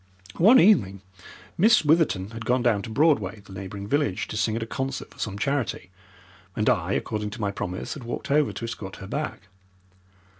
One evening Miss Witherton had gone down to Broadway, the neighbouring village, to sing at a concert for some charity, and I, according to my promise, had walked over to escort her back.